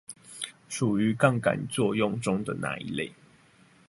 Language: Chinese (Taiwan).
屬於槓桿作用中的哪一類？